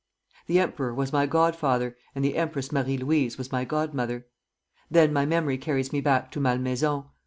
The emperor was my godfather, and the Empress Marie Louise was my godmother. Then my memory carries me back to Malmaison.